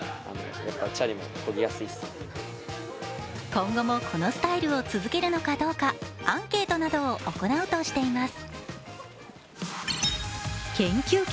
今後もこのスタイルを続けるのかどうかアンケートなどを行うとしています。